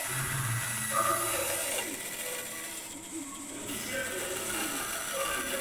Sin embargo, se esforzaron para este fin y se lograron buenos resultados.